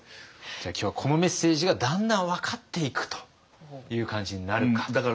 じゃあ今日はこのメッセージがだんだん分かっていくという感じになるかっていう。